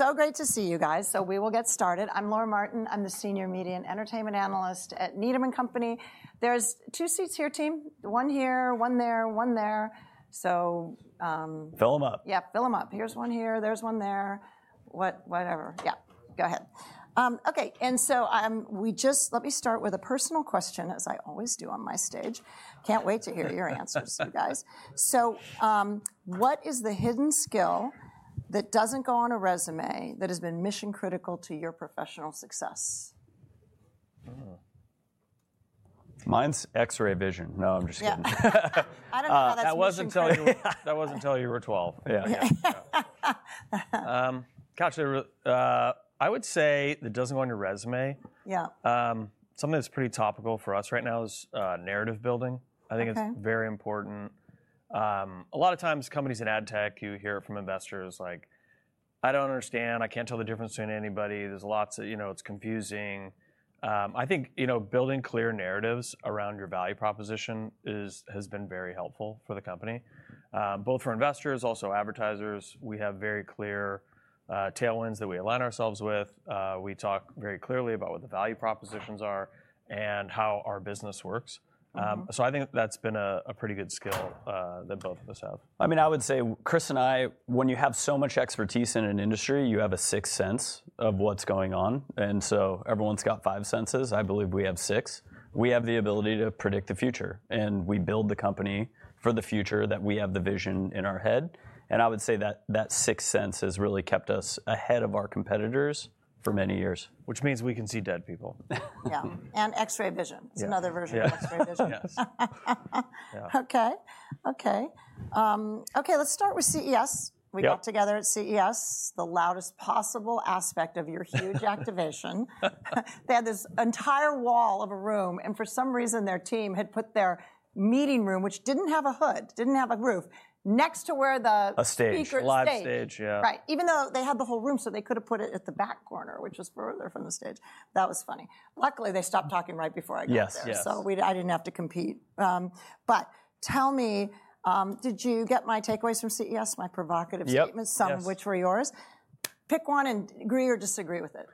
So great to see you guys. So we will get started. I'm Laura Martin. I'm the Senior Media and Entertainment Analyst at Needham & Company. There's two seats here, team. One here, one there, one there. So. Fill them up. Yeah, fill them up. Here's one here. There's one there. Whatever. Yeah, go ahead. Okay. And so we just let me start with a personal question, as I always do on my stage. Can't wait to hear your answers, you guys. So what is the hidden skill that doesn't go on a resume that has been mission-critical to your professional success? Mine's X-ray vision. No, I'm just kidding. I don't know how that's true. That wasn't until you were 12. Yeah. Yeah. Gosh, I would say that doesn't go on your resume. Yeah. Something that's pretty topical for us right now is narrative building. I think it's very important. A lot of times, companies in ad tech, you hear it from investors, like, "I don't understand. I can't tell the difference between anybody. There's lots of, you know, it's confusing." I think, you know, building clear narratives around your value proposition has been very helpful for the company, both for investors, also advertisers. We have very clear tailwinds that we align ourselves with. We talk very clearly about what the value propositions are and how our business works. So I think that's been a pretty good skill that both of us have. I mean, I would say Chris and I, when you have so much expertise in an industry, you have a sixth sense of what's going on, and so everyone's got five senses. I believe we have six. We have the ability to predict the future, and we build the company for the future that we have the vision in our head, and I would say that that sixth sense has really kept us ahead of our competitors for many years. Which means we can see dead people. Yeah, and X-ray vision. It's another version of X-ray vision. Yes. Okay. Okay. Okay. Let's start with CES. We got together at CES, the loudest possible aspect of your huge activation. They had this entire wall of a room, and for some reason, their team had put their meeting room, which didn't have a hood, didn't have a roof, next to where the speakers stayed. A stage, yeah. Right. Even though they had the whole room, so they could have put it at the back corner, which is further from the stage. That was funny. Luckily, they stopped talking right before I got there. So I didn't have to compete. But tell me, did you get my takeaways from CES, my provocative statements, some of which were yours? Pick one and agree or disagree with it.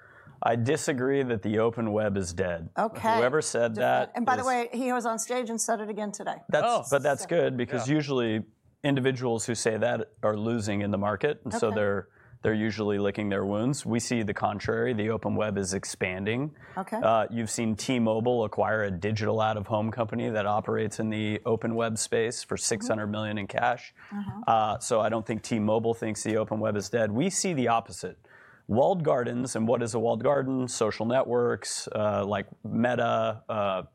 I disagree that the open web is dead. Okay. Whoever said that. By the way, he was on stage and said it again today. But that's good because usually individuals who say that are losing in the market. And so they're usually licking their wounds. We see the contrary. The open web is expanding. You've seen T-Mobile acquire a digital out-of-home company that operates in the open web space for $600 million in cash. So I don't think T-Mobile thinks the open web is dead. We see the opposite. Walled gardens and what is a walled garden, social networks like Meta,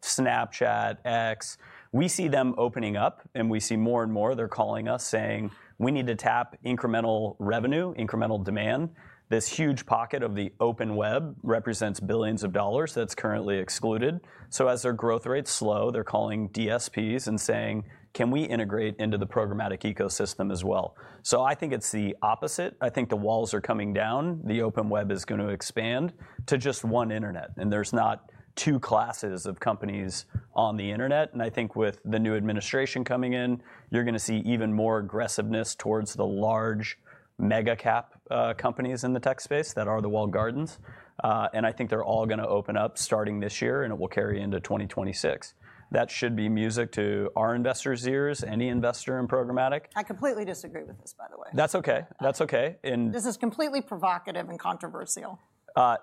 Snapchat, X, we see them opening up. And we see more and more they're calling us saying, we need to tap incremental revenue, incremental demand. This huge pocket of the open web represents billions of dollars that's currently excluded. So as their growth rates slow, they're calling DSPs and saying, can we integrate into the programmatic ecosystem as well? So I think it's the opposite. I think the walls are coming down. The open web is going to expand to just one internet. And there's not two classes of companies on the internet. And I think with the new administration coming in, you're going to see even more aggressiveness towards the large mega-cap companies in the tech space that are the walled gardens. And I think they're all going to open up starting this year. And it will carry into 2026. That should be music to our investors' ears, any investor in programmatic. I completely disagree with this, by the way. That's okay. That's okay. This is completely provocative and controversial.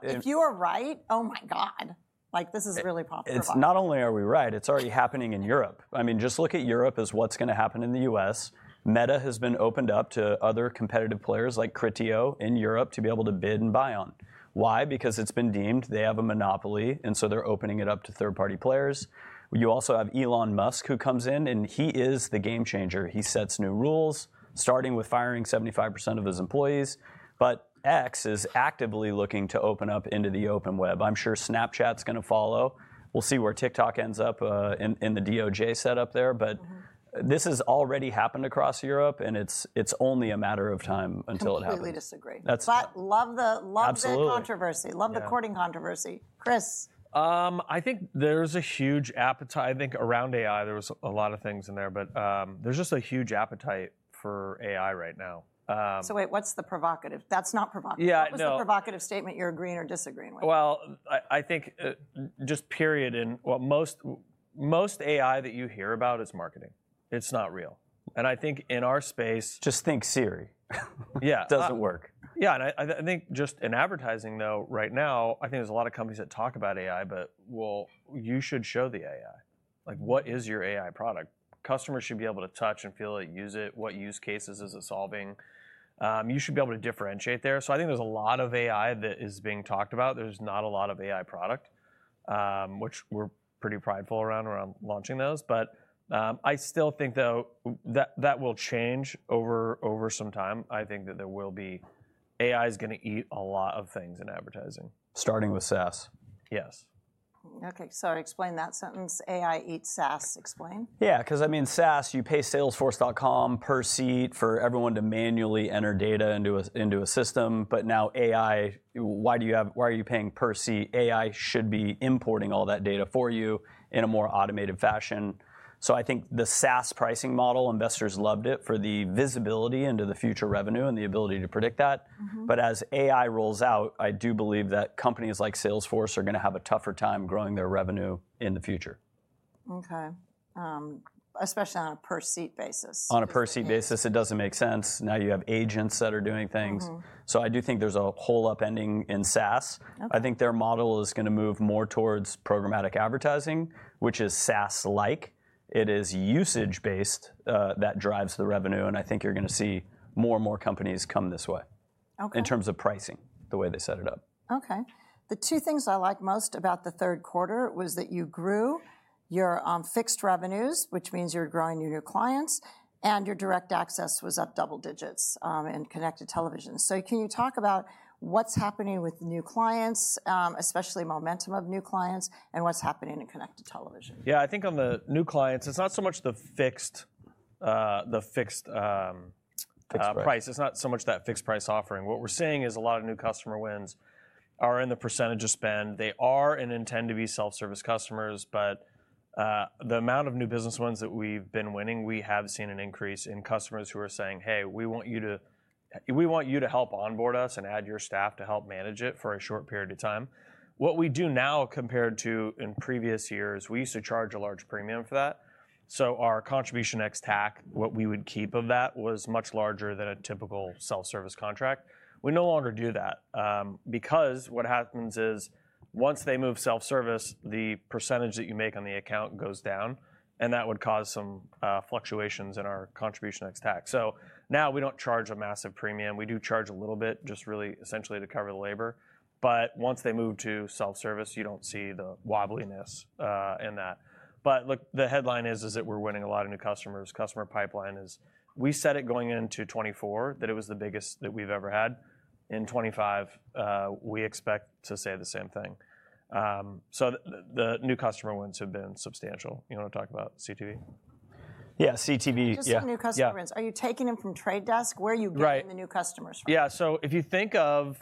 If you are right, oh my God. Like, this is really problematic. Not only are we right, it's already happening in Europe. I mean, just look at Europe as what's going to happen in the US. Meta has been opened up to other competitive players like Criteo in Europe to be able to bid and buy on. Why? Because it's been deemed they have a monopoly. And so they're opening it up to third-party players. You also have Elon Musk who comes in. And he is the game changer. He sets new rules, starting with firing 75% of his employees. But X is actively looking to open up into the open web. I'm sure Snapchat's going to follow. We'll see where TikTok ends up in the DOJ setup there. But this has already happened across Europe. And it's only a matter of time until it happens. I completely disagree but love the controversy. Love the courting controversy, Chris. I think there's a huge appetite. I think around AI, there was a lot of things in there. But there's just a huge appetite for AI right now. So wait, what's the provocative? That's not provocative. What's the provocative statement you're agreeing or disagreeing with? I think just. Period. And most AI that you hear about is marketing. It's not real. And I think in our space. Just think, Siri. Yeah. Doesn't work. Yeah. And I think just in advertising, though, right now, I think there's a lot of companies that talk about AI, but well, you should show the AI. Like, what is your AI product? Customers should be able to touch and feel it, use it. What use cases is it solving? You should be able to differentiate there. So I think there's a lot of AI that is being talked about. There's not a lot of AI product, which we're pretty prideful around, around launching those. But I still think, though, that will change over some time. I think that there will be AI is going to eat a lot of things in advertising. Starting with SaaS. Yes. Okay. So explain that sentence. AI eats SaaS. Explain. Yeah. Because, I mean, SaaS, you pay Salesforce.com per seat for everyone to manually enter data into a system. But now AI, why are you paying per seat? AI should be importing all that data for you in a more automated fashion. So I think the SaaS pricing model, investors loved it for the visibility into the future revenue and the ability to predict that. But as AI rolls out, I do believe that companies like Salesforce are going to have a tougher time growing their revenue in the future. Okay. Especially on a per seat basis. On a per seat basis, it doesn't make sense. Now you have agents that are doing things. So I do think there's a whole upending in SaaS. I think their model is going to move more towards programmatic advertising, which is SaaS-like. It is usage-based that drives the revenue. And I think you're going to see more and more companies come this way in terms of pricing, the way they set it up. Okay. The two things I like most about the third quarter was that you grew your fixed revenues, which means you're growing your new clients, and your Direct Access was up double digits in connected television, so can you talk about what's happening with new clients, especially momentum of new clients, and what's happening in connected television? Yeah. I think on the new clients, it's not so much the fixed price. It's not so much that fixed price offering. What we're seeing is a lot of new customer wins are in the percentage of spend. They are and intend to be self-service customers. But the amount of new business wins that we've been winning, we have seen an increase in customers who are saying, hey, we want you to help onboard us and add your staff to help manage it for a short period of time. What we do now compared to in previous years, we used to charge a large premium for that. So our contribution ex-TAC, what we would keep of that was much larger than a typical self-service contract. We no longer do that because what happens is once they move self-service, the percentage that you make on the account goes down. And that would cause some fluctuations in our contribution ex-TAC. So now we don't charge a massive premium. We do charge a little bit, just really essentially to cover the labor. But once they move to self-service, you don't see the wobbliness in that. But look, the headline is that we're winning a lot of new customers. Customer pipeline is, we said it going into 2024 that it was the biggest that we've ever had. In 2025, we expect to say the same thing. So the new customer wins have been substantial. You want to talk about CTV? Yeah. CTV. Who's the new customer wins? Are you taking them from Trade Desk? Where are you getting the new customers from? Yeah. So if you think of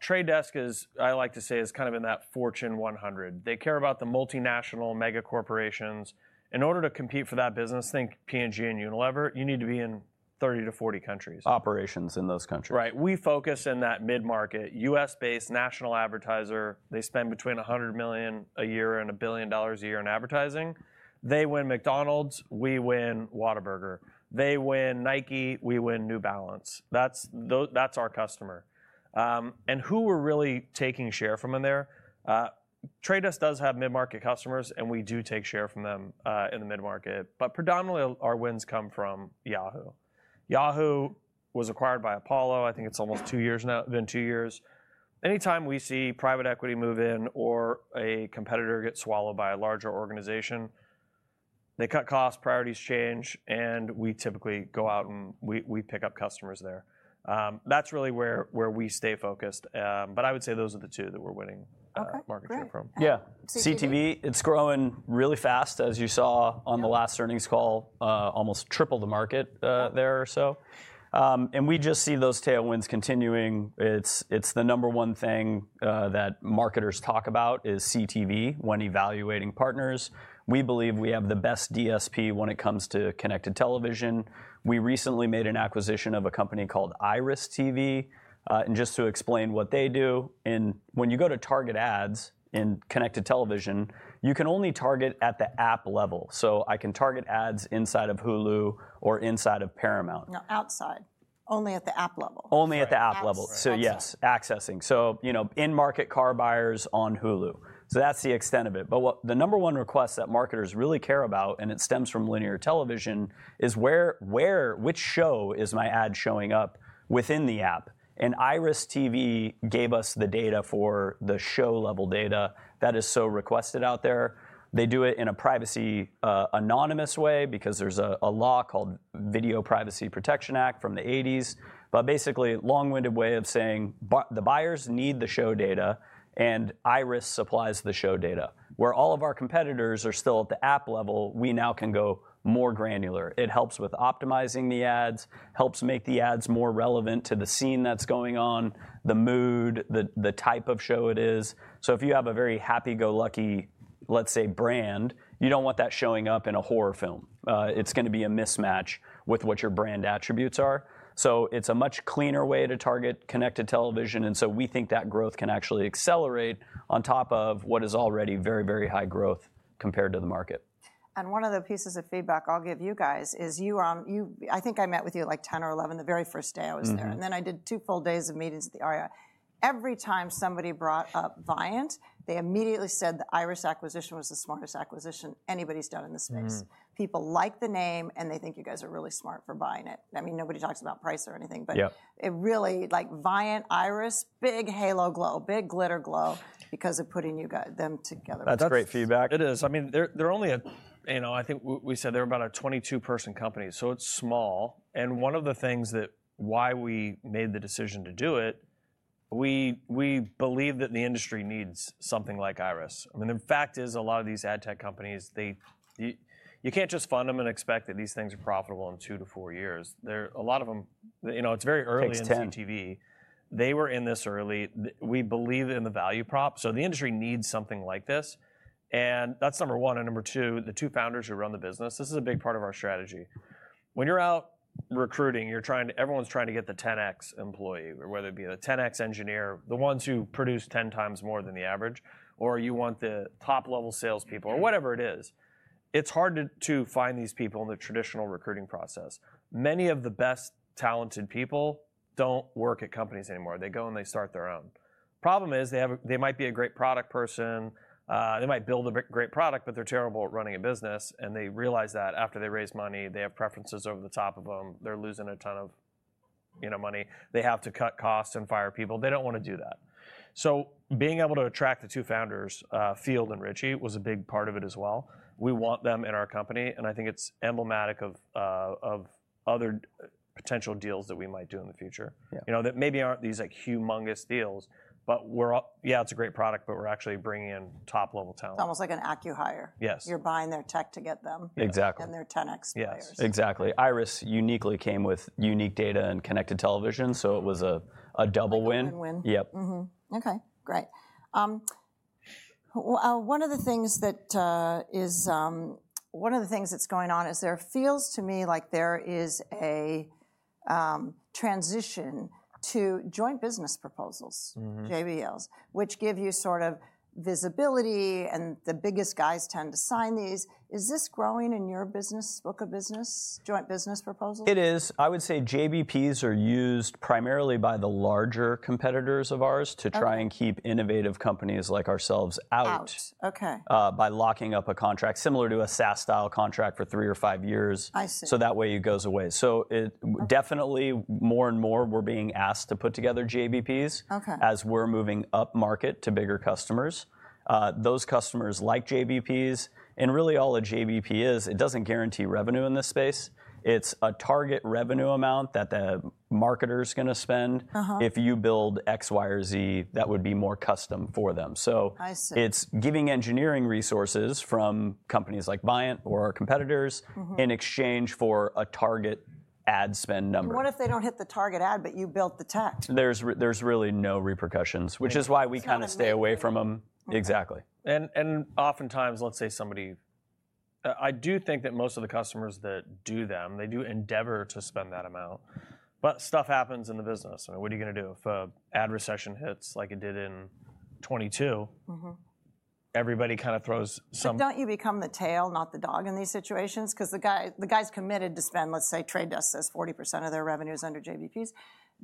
Trade Desk, I like to say, is kind of in that Fortune 100. They care about the multinational mega corporations. In order to compete for that business, think P&G and Unilever, you need to be in 30-40 countries. Operations in those countries. Right. We focus in that mid-market, U.S.-based national advertiser. They spend between $100 million a year and $1 billion a year in advertising. They win McDonald's. We win Whataburger. They win Nike. We win New Balance. That's our customer, and who we're really taking share from in there, Trade Desk does have mid-market customers. And we do take share from them in the mid-market. But predominantly, our wins come from Yahoo. Yahoo was acquired by Apollo. I think it's almost two years now, been two years. Anytime we see private equity move in or a competitor get swallowed by a larger organization, they cut costs, priorities change. And we typically go out and we pick up customers there. That's really where we stay focused, but I would say those are the two that we're winning market share from. Yeah. CTV, it's growing really fast, as you saw on the last earnings call, almost tripled the market there or so. And we just see those tailwinds continuing. It's the number one thing that marketers talk about is CTV when evaluating partners. We believe we have the best DSP when it comes to connected television. We recently made an acquisition of a company called IRIS.TV. And just to explain what they do, when you go to target ads in connected television, you can only target at the app level. So I can target ads inside of Hulu or inside of Paramount. No, outside. Only at the app level. Only at the app level. So yes, accessing. So in-market car buyers on Hulu. So that's the extent of it. But the number one request that marketers really care about, and it stems from linear television, is which show is my ad showing up within the app? And IRIS.TV gave us the data for the show-level data that is so requested out there. They do it in a privacy-anonymous way because there's a law called Video Privacy Protection Act from the '80s. But basically, long-winded way of saying the buyers need the show data. And IRIS.TV supplies the show data. Where all of our competitors are still at the app level, we now can go more granular. It helps with optimizing the ads, helps make the ads more relevant to the scene that's going on, the mood, the type of show it is. So if you have a very happy-go-lucky, let's say, brand, you don't want that showing up in a horror film. It's going to be a mismatch with what your brand attributes are. So it's a much cleaner way to target connected television. And so we think that growth can actually accelerate on top of what is already very, very high growth compared to the market. One of the pieces of feedback I'll give you guys is I think I met with you at like 10 or 11, the very first day I was there. Then I did two full days of meetings at the Aria. Every time somebody brought up Viant, they immediately said the IRIS acquisition was the smartest acquisition anybody's done in the space. People like the name. They think you guys are really smart for buying it. I mean, nobody talks about price or anything. It really, like Viant, IRIS, big halo glow, big glitter glow because of putting them together. That's great feedback. It is. I mean, they're only, you know, I think we said they're about a 22-person company. So it's small, and one of the things that's why we made the decision to do it, we believe that the industry needs something like IRIS. I mean, the fact is a lot of these ad tech companies, you can't just fund them and expect that these things are profitable in two to four years. A lot of them, you know, it's very early in CTV. They were in this early. We believe in the value prop. So the industry needs something like this, and that's number one. Number two, the two founders who run the business, this is a big part of our strategy. When you're out recruiting, everyone's trying to get the 10x employee, whether it be a 10x engineer, the ones who produce 10x more than the average, or you want the top-level salespeople or whatever it is, it's hard to find these people in the traditional recruiting process. Many of the best talented people don't work at companies anymore. They go and they start their own. Problem is they might be a great product person. They might build a great product, but they're terrible at running a business, and they realize that after they raise money, they have preferences over the top of them. They're losing a ton of money. They have to cut costs and fire people. They don't want to do that, so being able to attract the two founders, Field and Richie, was a big part of it as well. We want them in our company. And I think it's emblematic of other potential deals that we might do in the future, you know, that maybe aren't these humongous deals. But we're, yeah, it's a great product, but we're actually bringing in top-level talent. It's almost like an acquihire. You're buying their tech to get them and their 10x players. Exactly. IRIS.TV uniquely came with unique data and connected television. So it was a double win. Double win. Yep. Okay. Great. One of the things that's going on is there feels to me like there is a transition to joint business proposals, JBPs, which give you sort of visibility, and the biggest guys tend to sign these. Is this growing in your business, book of business, joint business proposals? It is. I would say JBPs are used primarily by the larger competitors of ours to try and keep innovative companies like ourselves out by locking up a contract, similar to a SaaS-style contract for three or five years, so that way it goes away, so definitely more and more we're being asked to put together JBPs as we're moving up market to bigger customers. Those customers like JBPs, and really all a JBP is, it doesn't guarantee revenue in this space. It's a target revenue amount that the marketer is going to spend. If you build X, Y, or Z, that would be more custom for them, so it's giving engineering resources from companies like Viant or our competitors in exchange for a target ad spend number. What if they don't hit the target ad, but you built the tech? There's really no repercussions, which is why we kind of stay away from them. Exactly. Oftentimes, let's say somebody. I do think that most of the customers that do them, they do endeavor to spend that amount. But stuff happens in the business. I mean, what are you going to do if an ad recession hits like it did in 2022? Everybody kind of throws some. Don't you become the tail, not the dog in these situations? Because the guy's committed to spend, let's say, The Trade Desk says 40% of their revenue is under JBPs.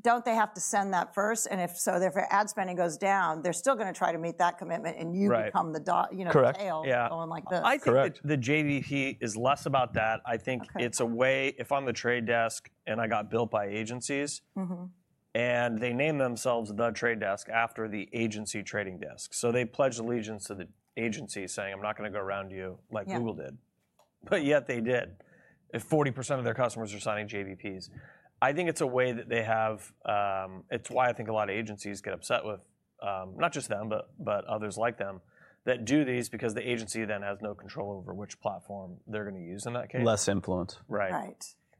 Don't they have to spend that first? And if so, if ad spending goes down, they're still going to try to meet that commitment. And you become the tail going like this. I think the JBP is less about that. I think it's a way, if I'm The Trade Desk and I got built by agencies, and they name themselves The Trade Desk after the agency trading desk. So they pledge allegiance to the agency saying, I'm not going to go around you like Google did. But yet they did. If 40% of their customers are signing JBPs, I think it's a way that they have. It's why I think a lot of agencies get upset with, not just them, but others like them that do these because the agency then has no control over which platform they're going to use in that case. Less influence. Right.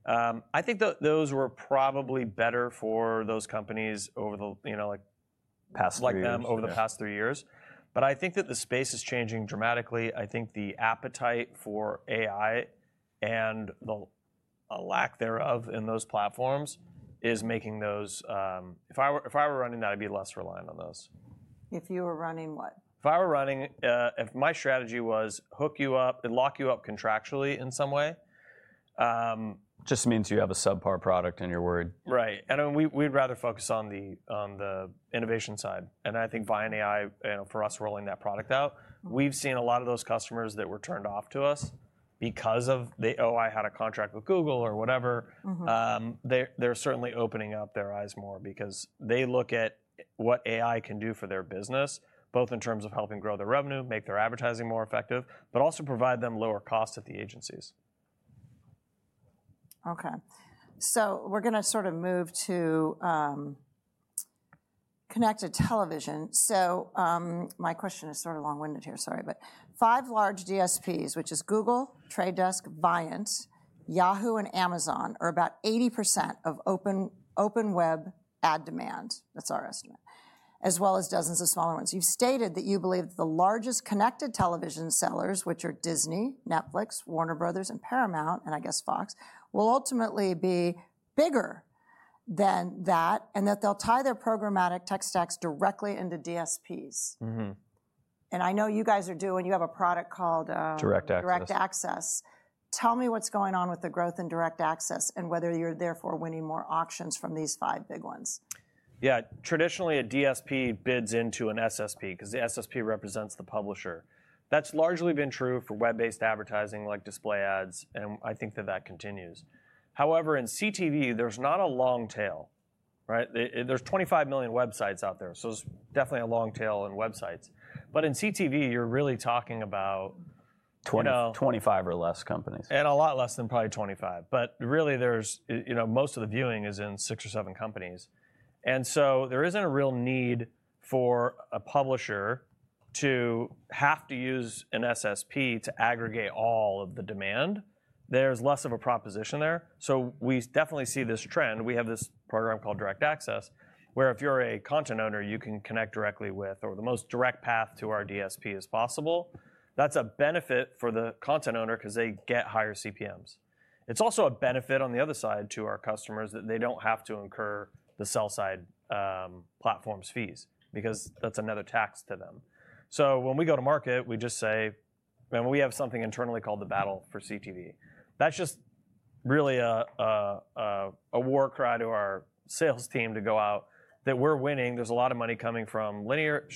I think those were probably better for those companies over the past three years. But I think that the space is changing dramatically. I think the appetite for AI and the lack thereof in those platforms is making those, if I were running that, I'd be less reliant on those. If you were running what? If I were running, if my strategy was hook you up and lock you up contractually in some way. Just means you have a subpar product in your world. Right. And we'd rather focus on the innovation side. And I think Viant AI, for us rolling that product out, we've seen a lot of those customers that were turned off to us because of, oh, I had a contract with Google or whatever. They're certainly opening up their eyes more because they look at what AI can do for their business, both in terms of helping grow their revenue, make their advertising more effective, but also provide them lower costs at the agencies. Okay. So we're going to sort of move to connected television. So my question is sort of long-winded here. Sorry. But five large DSPs, which is Google, Trade Desk, Viant, Yahoo, and Amazon, are about 80% of open web ad demand. That's our estimate, as well as dozens of smaller ones. You've stated that you believe that the largest connected television sellers, which are Disney, Netflix, Warner Bros, and Paramount, and I guess Fox, will ultimately be bigger than that and that they'll tie their programmatic tech stacks directly into DSPs. And I know you guys are doing; you have a product called Direct Access. Tell me what's going on with the growth in Direct Access and whether you're therefore winning more auctions from these five big ones. Yeah. Traditionally, a DSP bids into an SSP because the SSP represents the publisher. That's largely been true for web-based advertising like display ads. And I think that that continues. However, in CTV, there's not a long tail. There's 25 million websites out there. So there's definitely a long tail in websites. But in CTV, you're really talking about. 25 or less companies. And a lot less than probably 25. But really, most of the viewing is in six or seven companies. And so there isn't a real need for a publisher to have to use an SSP to aggregate all of the demand. There's less of a proposition there. So we definitely see this trend. We have this program called Direct Access, where if you're a content owner, you can connect directly with, or the most direct path to our DSP is possible. That's a benefit for the content owner because they get higher CPMs. It's also a benefit on the other side to our customers that they don't have to incur the sell-side platform's fees because that's another tax to them. So when we go to market, we just say, we have something internally called the Battle for CTV. That's just really a war cry to our sales team to go out that we're winning. There's a lot of money coming from linear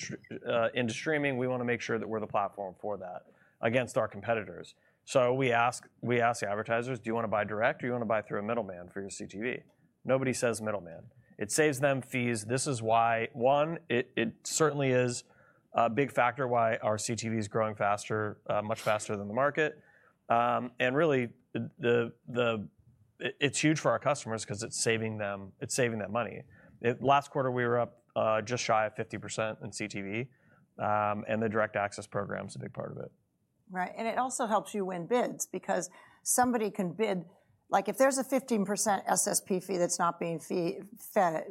into streaming. We want to make sure that we're the platform for that against our competitors. So we ask the advertisers, do you want to buy direct? Do you want to buy through a middleman for your CTV? Nobody says middleman. It saves them fees. This is why, one, it certainly is a big factor why our CTV is growing much faster than the market. And really, it's huge for our customers because it's saving them money. Last quarter, we were up just shy of 50% in CTV. And the Direct Access program is a big part of it. Right. And it also helps you win bids because somebody can bid, like if there's a 15% SSP fee that's not being fed,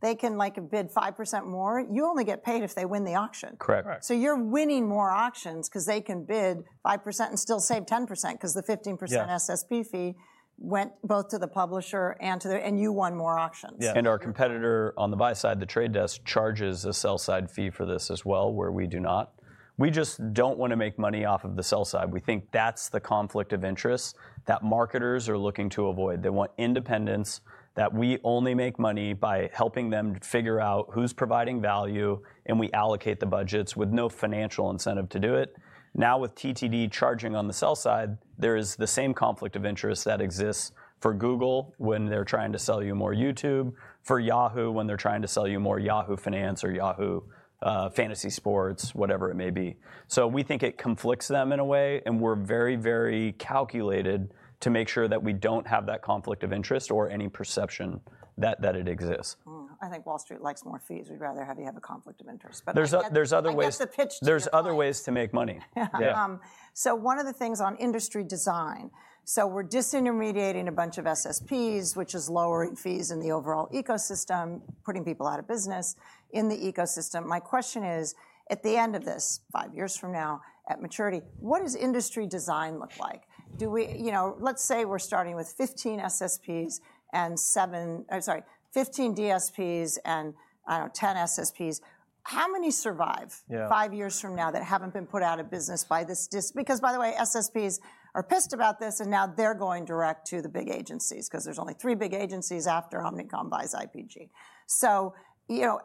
they can bid 5% more. You only get paid if they win the auction. Correct. You're winning more auctions because they can bid 5% and still save 10% because the 15% SSP fee went both to the publisher, and you won more auctions. Our competitor on the buy side, The Trade Desk, charges a sell-side fee for this as well, where we do not. We just don't want to make money off of the sell side. We think that's the conflict of interest that marketers are looking to avoid. They want independence, that we only make money by helping them figure out who's providing value, and we allocate the budgets with no financial incentive to do it. Now, with TTD charging on the sell side, there is the same conflict of interest that exists for Google when they're trying to sell you more YouTube, for Yahoo when they're trying to sell you more Yahoo Finance or Yahoo Fantasy Sports, whatever it may be. So we think it conflicts them in a way. We're very, very calculated to make sure that we don't have that conflict of interest or any perception that it exists. I think Wall Street likes more fees. We'd rather have you have a conflict of interest. There's other ways. Where's the pitch to? There's other ways to make money. Yeah. So one of the things on industry design, so we're disintermediating a bunch of SSPs, which is lowering fees in the overall ecosystem, putting people out of business in the ecosystem. My question is, at the end of this, five years from now at maturity, what does industry design look like? Let's say we're starting with 15 SSPs and 7, sorry, 15 DSPs and 10 SSPs. How many survive five years from now that haven't been put out of business by this? Because by the way, SSPs are pissed about this. And now they're going direct to the big agencies because there's only three big agencies after Omnicom buys IPG. So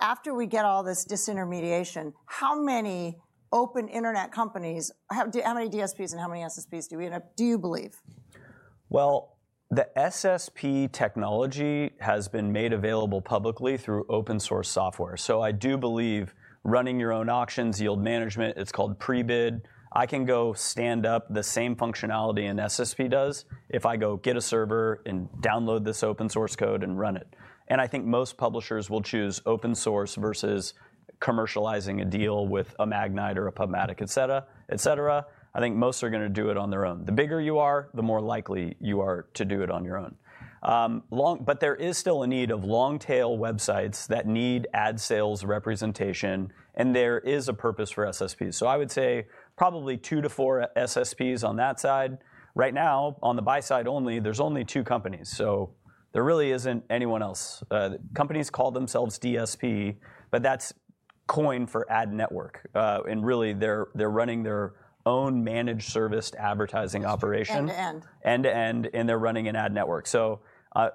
after we get all this disintermediation, how many open internet companies, how many DSPs and how many SSPs do you believe? The SSP technology has been made available publicly through open source software. I do believe running your own auctions, yield management, it's called Prebid. I can go stand up the same functionality an SSP does if I go get a server and download this open source code and run it. I think most publishers will choose open source versus commercializing a deal with a Magnite or a PubMatic, et cetera. I think most are going to do it on their own. The bigger you are, the more likely you are to do it on your own. There is still a need of long tail websites that need ad sales representation. There is a purpose for SSPs. I would say probably two to four SSPs on that side. Right now, on the buy side only, there's only two companies. There really isn't anyone else. Companies call themselves DSP, but that's coined for ad network, and really, they're running their own managed service advertising operation. End to end. End to end. They're running an ad network.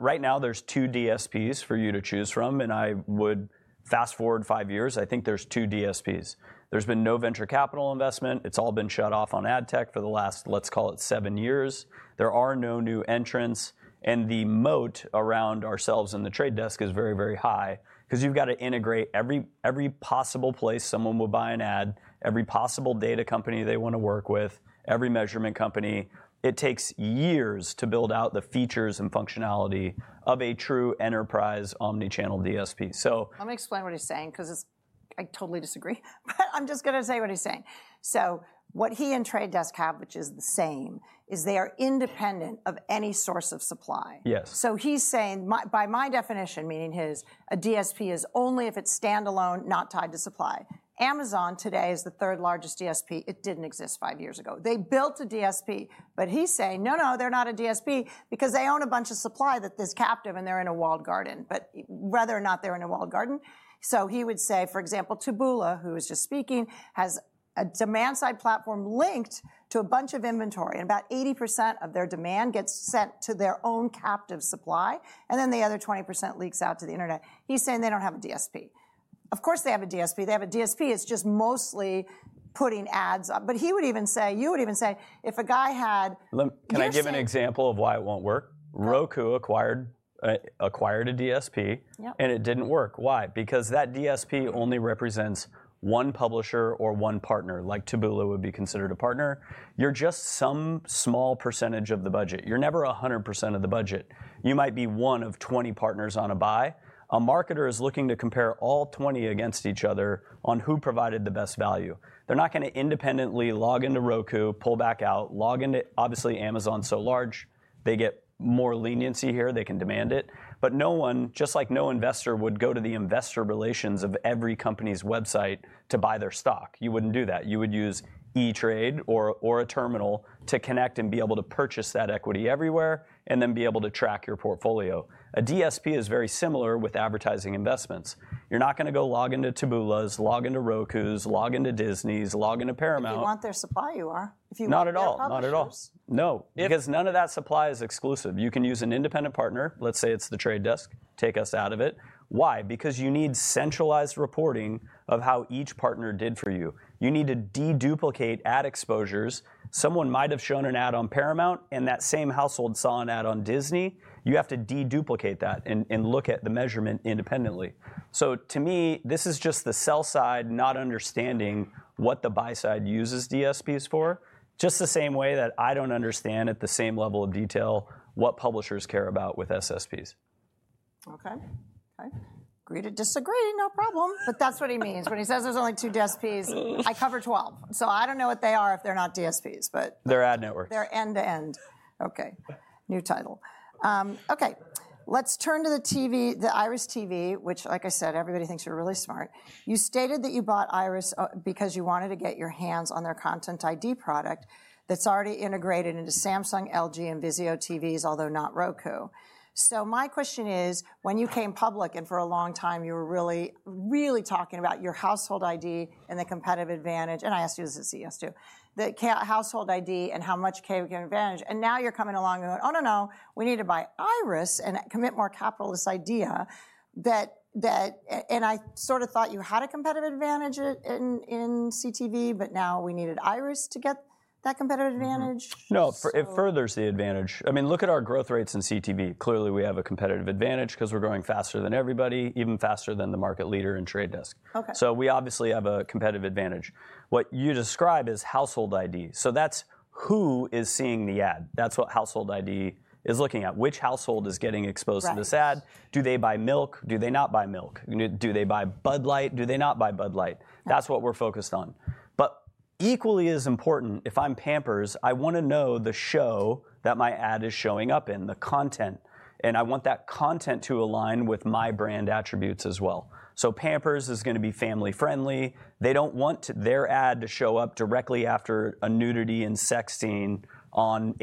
Right now, there are two DSPs for you to choose from. I would fast forward five years. I think there are two DSPs. There has been no venture capital investment. It's all been shut off on ad tech for the last, let's call it, seven years. There are no new entrants. The moat around ourselves and The Trade Desk is very, very high because you've got to integrate every possible place someone will buy an ad, every possible data company they want to work with, every measurement company. It takes years to build out the features and functionality of a true enterprise omnichannel DSP. Let me explain what he's saying because I totally disagree. But I'm just going to say what he's saying. So what he and Trade Desk have, which is the same, is they are independent of any source of supply. Yes. So he's saying, by my definition, meaning his, a DSP is only if it's standalone, not tied to supply. Amazon today is the third largest DSP. It didn't exist five years ago. They built a DSP, but he's saying, no, no, they're not a DSP because they own a bunch of supply that is captive and they're in a walled garden, but rather than not, they're in a walled garden. So he would say, for example, Taboola, who was just speaking, has a demand side platform linked to a bunch of inventory. And about 80% of their demand gets sent to their own captive supply. And then the other 20% leaks out to the internet. He's saying they don't have a DSP. Of course, they have a DSP. They have a DSP. It's just mostly putting ads. But he would even say, you would even say, if a guy had. Can I give an example of why it won't work? Roku acquired a DSP, and it didn't work. Why? Because that DSP only represents one publisher or one partner, like Taboola would be considered a partner. You're just some small percentage of the budget. You're never 100% of the budget. You might be one of 20 partners on a buy. A marketer is looking to compare all 20 against each other on who provided the best value. They're not going to independently log into Roku, pull back out, log into. Obviously, Amazon's so large, they get more leniency here. They can demand it. But no one, just like no investor would go to the investor relations of every company's website to buy their stock. You wouldn't do that. You would use E-Trade or a terminal to connect and be able to purchase that equity everywhere and then be able to track your portfolio. A DSP is very similar with advertising investments. You're not going to go log into Taboola's, log into Roku's, log into Disney's, log into Paramount. You want their supply, you are. Not at all. Not at all. Not at all. No. Because none of that supply is exclusive. You can use an independent partner. Let's say it's The Trade Desk. Take us out of it. Why? Because you need centralized reporting of how each partner did for you. You need to deduplicate ad exposures. Someone might have shown an ad on Paramount, and that same household saw an ad on Disney. You have to deduplicate that and look at the measurement independently. So to me, this is just the sell side not understanding what the buy side uses DSPs for, just the same way that I don't understand at the same level of detail what publishers care about with SSPs. Okay. Okay. Agree to disagree, no problem. But that's what he means when he says there's only two DSPs. I cover 12. So I don't know what they are if they're not DSPs, but. They're ad networks. They're end to end. Okay. New title. Okay. Let's turn to the TV, the IRIS.TV, which, like I said, everybody thinks you're really smart. You stated that you bought IRIS.TV because you wanted to get your hands on their content ID product that's already integrated into Samsung, LG, and VIZIO TVs, although not Roku. So my question is, when you came public and for a long time, you were really, really talking about your Household ID and the competitive advantage, and I asked you this as a CES too, the Household ID and how much can you get advantage. And now you're coming along and going, oh, no, no, we need to buy IRIS.TV and commit more capital to this idea. And I sort of thought you had a competitive advantage in CTV, but now we needed IRIS.TV to get that competitive advantage. No, it furthers the advantage. I mean, look at our growth rates in CTV. Clearly, we have a competitive advantage because we're growing faster than everybody, even faster than the market leader and The Trade Desk. So we obviously have a competitive advantage. What you describe is Household ID. So that's who is seeing the ad. That's what Household ID is looking at. Which household is getting exposed to this ad? Do they buy milk? Do they not buy milk? Do they buy Bud Light? Do they not buy Bud Light? That's what we're focused on. But equally as important, if I'm Pampers, I want to know the show that my ad is showing up in, the content. And I want that content to align with my brand attributes as well. So Pampers is going to be family friendly. They don't want their ad to show up directly after a nudity and sex scene on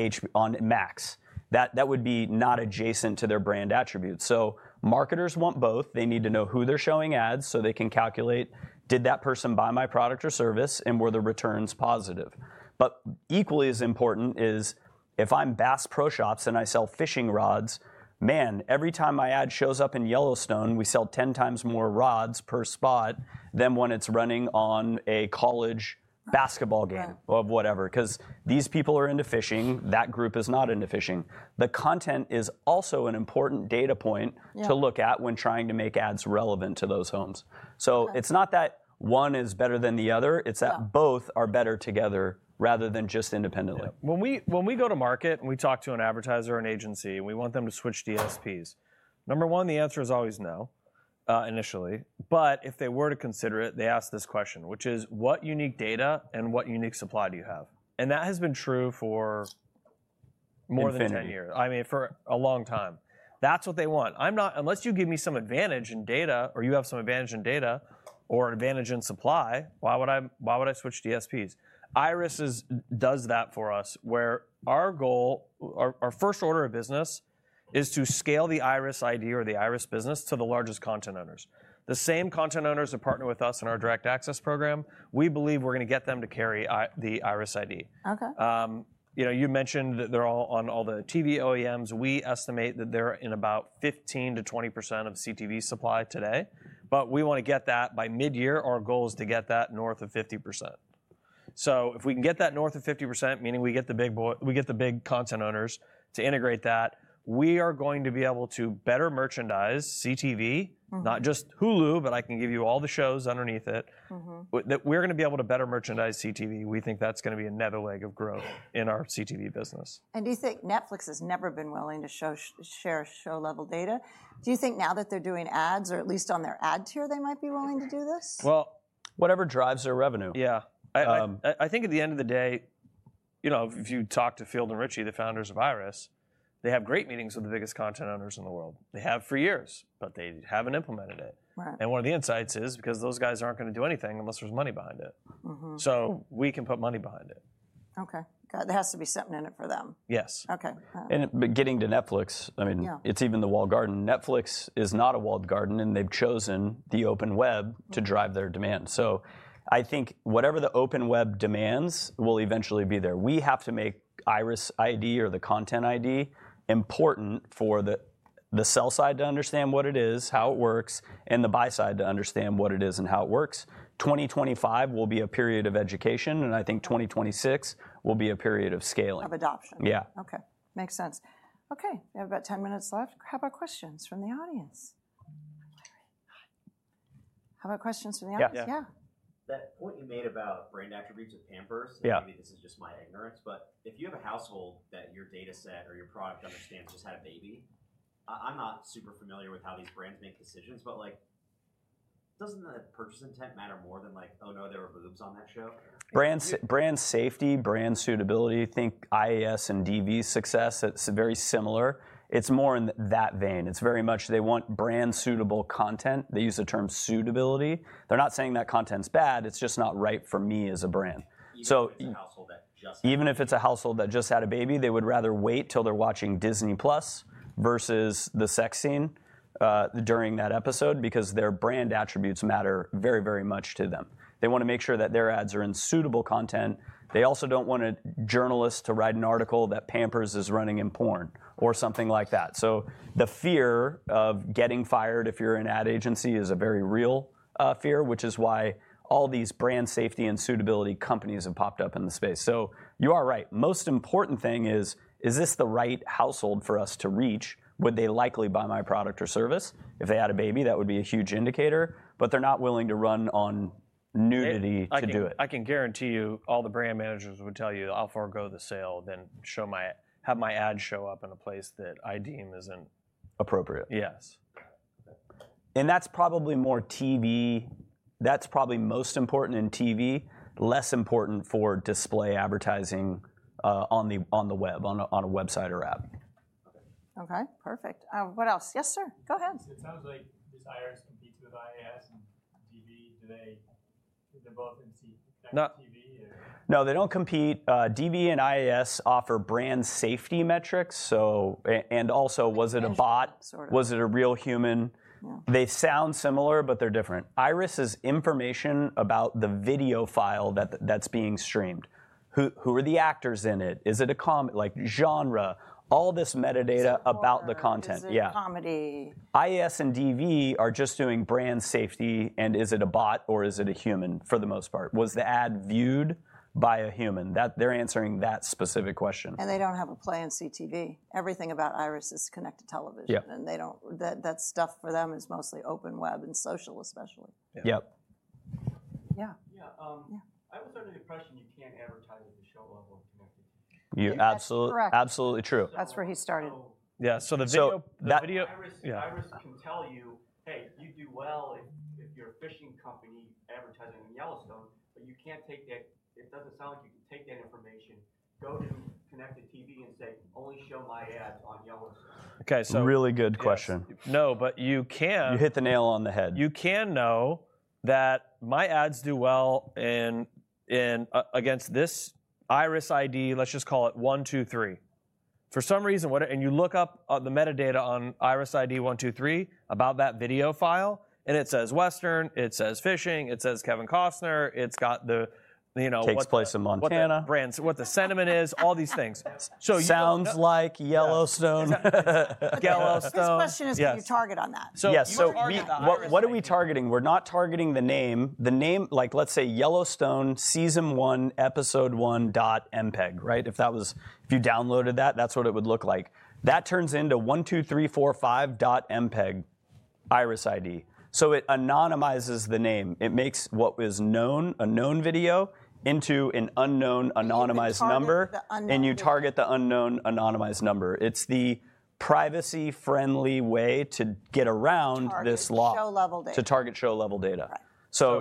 Max. That would be not adjacent to their brand attributes. So marketers want both. They need to know who they're showing ads so they can calculate, did that person buy my product or service and were the returns positive? But equally as important is if I'm Bass Pro Shops and I sell fishing rods, man, every time my ad shows up in Yellowstone, we sell 10x more rods per spot than when it's running on a college basketball game of whatever. Because these people are into fishing. That group is not into fishing. The content is also an important data point to look at when trying to make ads relevant to those homes. So it's not that one is better than the other. It's that both are better together rather than just independently. When we go to market and we talk to an advertiser or an agency and we want them to switch DSPs, number one, the answer is always no initially, but if they were to consider it, they ask this question, which is, what unique data and what unique supply do you have, and that has been true for more than 10 years. I mean, for a long time. That's what they want. Unless you give me some advantage in data or you have some advantage in data or advantage in supply, why would I switch DSPs? IRIS does that for us, where our goal, our first order of business is to scale the IRIS ID or the IRIS business to the largest content owners. The same content owners that partner with us in our Direct Access program, we believe we're going to get them to carry the IRIS ID. You mentioned that they're on all the TV OEMs. We estimate that they're in about 15%-20% of CTV supply today. But we want to get that by mid-year. Our goal is to get that north of 50%. So if we can get that north of 50%, meaning we get the big content owners to integrate that, we are going to be able to better merchandise CTV, not just Hulu, but I can give you all the shows underneath it. We're going to be able to better merchandise CTV. We think that's going to be another leg of growth in our CTV business. Do you think Netflix has never been willing to share show-level data? Do you think now that they're doing ads, or at least on their ad tier, they might be willing to do this? Whatever drives their revenue. Yeah, I think at the end of the day, if you talk to Field and Richie, the founders of IRIS.TV, they have great meetings with the biggest content owners in the world. They have for years, but they haven't implemented it. And one of the insights is because those guys aren't going to do anything unless there's money behind it, so we can put money behind it. Okay. There has to be something in it for them. Yes. Okay. Getting to Netflix, I mean, it's even the walled garden. Netflix is not a walled garden, and they've chosen the open web to drive their demand. So I think whatever the open web demands will eventually be there. We have to make IRIS ID or the content ID important for the sell side to understand what it is, how it works, and the buy side to understand what it is and how it works. 2025 will be a period of education, and I think 2026 will be a period of scaling. Of adoption. Yeah. Okay. Makes sense. Okay. We have about 10 minutes left. How about questions from the audience? Yeah. That point you made about brand attributes of Pampers, maybe this is just my ignorance, but if you have a household that your data set or your product understands just had a baby, I'm not super familiar with how these brands make decisions, but doesn't the purchase intent matter more than like, oh, no, there were boobs on that show? Brand safety, brand suitability, I think IAS and DV's success, it's very similar. It's more in that vein. It's very much they want brand suitable content. They use the term suitability. They're not saying that content's bad. It's just not right for me as a brand. Even if it's a household that just had a baby, they would rather wait till they're watching Disney+ versus the sex scene during that episode because their brand attributes matter very, very much to them. They want to make sure that their ads are in suitable content. They also don't want journalists to write an article that Pampers is running in porn or something like that. So the fear of getting fired if you're an ad agency is a very real fear, which is why all these brand safety and suitability companies have popped up in the space. So you are right. Most important thing is, is this the right household for us to reach? Would they likely buy my product or service? If they had a baby, that would be a huge indicator, but they're not willing to run on nudity to do it. I can guarantee you all the brand managers would tell you, I'll forego the sale, then have my ad show up in a place that I deem isn't. Appropriate. Yes. That's probably more TV. That's probably most important in TV, less important for display advertising on the web, on a website or app. Okay. Perfect. What else? Yes, sir. Go ahead. It sounds like this IRIS.TV competes with IAS and DV. Do they both compete in TV? No, they don't compete. DV and IAS offer brand safety metrics. And also, was it a bot? Was it a real human? They sound similar, but they're different. IRIS is information about the video file that's being streamed. Who are the actors in it? Is it a genre? All this metadata about the content. Yeah. Comedy. IAS and DV are just doing brand safety, and is it a bot or is it a human for the most part? Was the ad viewed by a human? They're answering that specific question. They don't have a play on CTV. Everything about IRIS.TV is connected television. That stuff for them is mostly open web and social, especially. Yep. Yeah. Yeah. I was under the impression you can't advertise at the show level connected to TV. Absolutely true. That's where he started. Yeah. So the video. IRIS can tell you, hey, you do well if you're a fishing company advertising on Yellowstone, but you can't take that. It doesn't sound like you can take that information, go to connected TV and say, only show my ads on Yellowstone. Okay. Really good question. No, but you can. You hit the nail on the head. You can know that my ads do well against this IRIS ID, let's just call it 123. For some reason, and you look up the metadata on IRIS ID 123 about that video file, and it says Western, it says fishing, it says Kevin Costner, it's got the. Takes place in Montana. What the sentiment is, all these things. Sounds like Yellowstone. This question is going to target on that. Yes. What are we targeting? We're not targeting the name. The name, like let's say Yellowstone season one, episode one, dot MPEG, right? If you downloaded that, that's what it would look like. That turns into 12345.mpeg, IRIS ID. So it anonymizes the name. It makes what was a known video into an unknown anonymized number, and you target the unknown anonymized number. It's the privacy-friendly way to get around this lot. Show-level data. To target show-level data.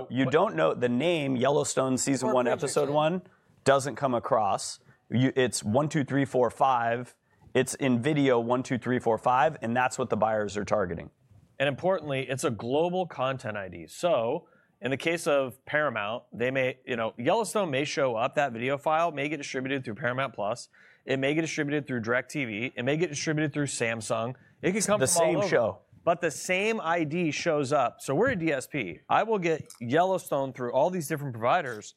You don't know the name Yellowstone season one, episode one doesn't come across. It's 12345. It's in video 12345, and that's what the buyers are targeting. Importantly, it's a global content ID. In the case of Paramount, Yellowstone may show up. That video file may get distributed through Paramount+. It may get distributed through DIRECTV. It may get distributed through Samsung. It could come across. The same show. But the same ID shows up. So we're a DSP. I will get Yellowstone through all these different providers,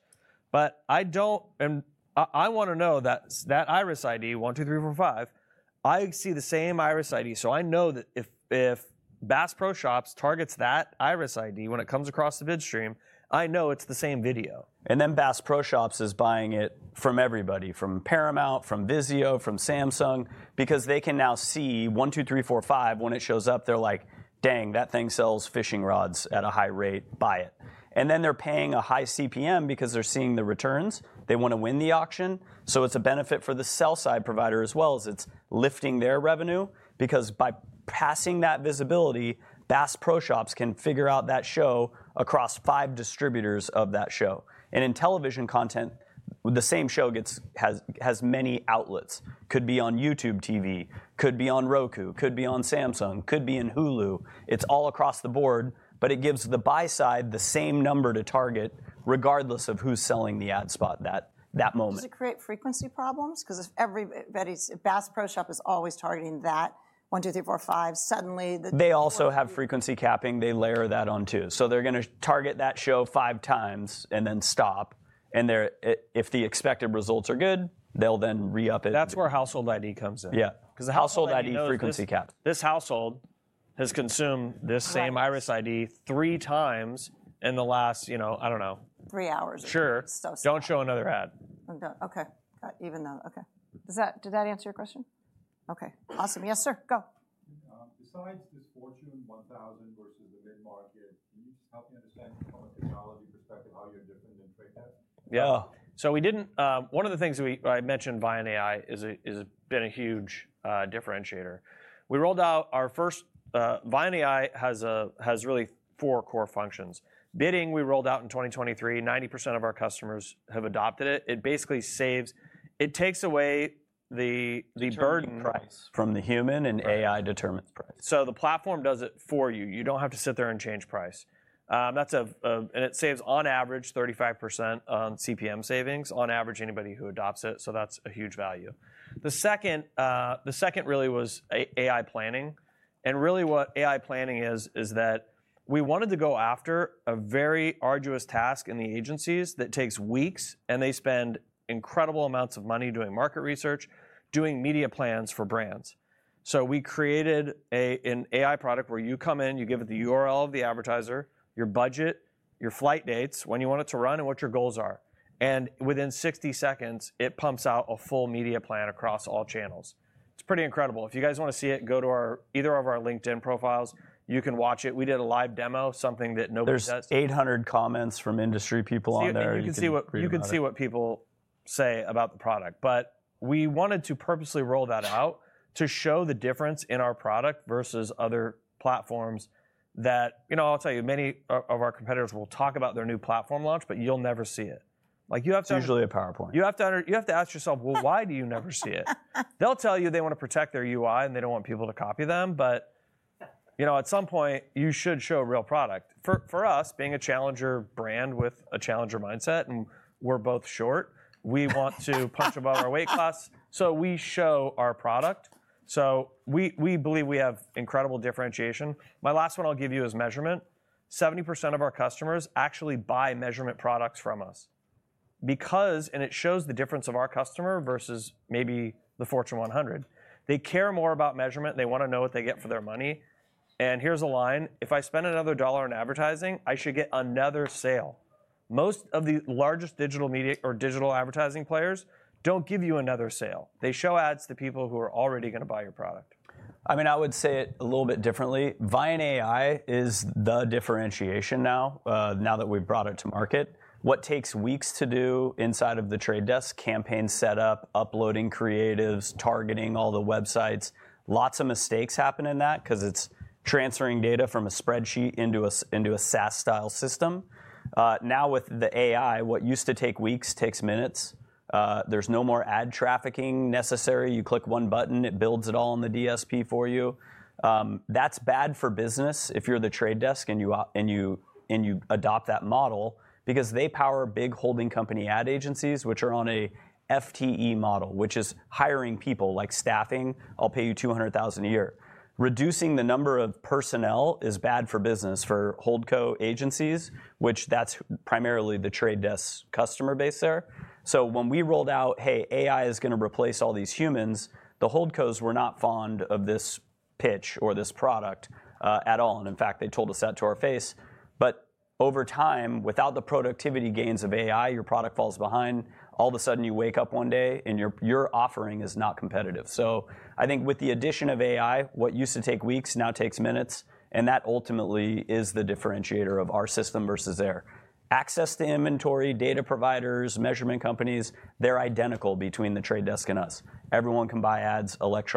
but I want to know that IRIS ID 12345. I see the same IRIS ID. So I know that if Bass Pro Shops targets that IRIS ID when it comes across the video stream, I know it's the same video. And then Bass Pro Shops is buying it from everybody, from Paramount, from VIZIO, from Samsung, because they can now see 12345. When it shows up, they're like, dang, that thing sells fishing rods at a high rate. Buy it. And then they're paying a high CPM because they're seeing the returns. They want to win the auction. So it's a benefit for the sell-side provider as well as it's lifting their revenue because by passing that visibility, Bass Pro Shops can figure out that show across five distributors of that show. And in television content, the same show has many outlets. Could be on YouTube TV, could be on Roku, could be on Samsung, could be in Hulu. It's all across the board, but it gives the buy-side the same number to target regardless of who's selling the ad spot that moment. Does it create frequency problems? Because Bass Pro Shops is always targeting that 12345. Suddenly. They also have frequency capping. They layer that on too. So they're going to target that show five times and then stop. And if the expected results are good, they'll then re-up it. That's where Household ID comes in. Yeah. Because the household ID frequency cap. This household has consumed this same IRIS ID three times in the last, I don't know. Three hours. Sure. Don't show another ad. Okay. Did that answer your question? Okay. Awesome. Yes, sir. Go. Besides this Fortune 1000 versus the mid-market, can you just help me understand from a technology perspective how you're different than Trade Desk? Yeah. So one of the things I mentioned, Viant AI, has been a huge differentiator. We rolled out our first Viant AI. It has really four core functions. Bidding, we rolled out in 2023. 90% of our customers have adopted it. It basically saves. It takes away the burden. Changes the price from the human, and AI determines the price. So the platform does it for you. You don't have to sit there and change price. And it saves on average 35% on CPM savings on average anybody who adopts it. So that's a huge value. The second really was AI planning. And really what AI planning is that we wanted to go after a very arduous task in the agencies that takes weeks, and they spend incredible amounts of money doing market research, doing media plans for brands. So we created an AI product where you come in, you give it the URL of the advertiser, your budget, your flight dates, when you want it to run, and what your goals are. And within 60 seconds, it pumps out a full media plan across all channels. It's pretty incredible. If you guys want to see it, go to either of our LinkedIn profiles. You can watch it. We did a live demo, something that nobody does. There's 800 comments from industry people on there. You can see what people say about the product. But we wanted to purposely roll that out to show the difference in our product versus other platforms that, you know, I'll tell you, many of our competitors will talk about their new platform launch, but you'll never see it. Usually a PowerPoint. You have to ask yourself, well, why do you never see it? They'll tell you they want to protect their UI and they don't want people to copy them, but you know at some point, you should show a real product. For us, being a challenger brand with a challenger mindset, and we're both short, we want to punch above our weight class. So we show our product. So we believe we have incredible differentiation. My last one I'll give you is measurement. 70% of our customers actually buy measurement products from us. And it shows the difference of our customer versus maybe the Fortune 100. They care more about measurement. They want to know what they get for their money. And here's a line. If I spend another dollar on advertising, I should get another sale. Most of the largest digital media or digital advertising players don't give you another sale. They show ads to people who are already going to buy your product. I mean, I would say it a little bit differently. Viant AI is the differentiation now that we've brought it to market. What takes weeks to do inside of The Trade Desk, campaign setup, uploading creatives, targeting all the websites, lots of mistakes happen in that because it's transferring data from a spreadsheet into a SaaS-style system. Now with the AI, what used to take weeks takes minutes. There's no more ad trafficking necessary. You click one button, it builds it all on the DSP for you. That's bad for business if you're The Trade Desk and you adopt that model because they power big holding company ad agencies, which are on an FTE model, which is hiring people like staffing. I'll pay you $200,000 a year. Reducing the number of personnel is bad for business for holdco agencies, which that's primarily The Trade Desk customer base there. So when we rolled out, hey, AI is going to replace all these humans, the holdcos were not fond of this pitch or this product at all. And in fact, they told us that to our face. But over time, without the productivity gains of AI, your product falls behind. All of a sudden, you wake up one day and your offering is not competitive. So I think with the addition of AI, what used to take weeks now takes minutes. And that ultimately is the differentiator of our system versus theirs. Access to inventory, data providers, measurement companies, they're identical between The Trade Desk and us. Everyone can buy ads electronically.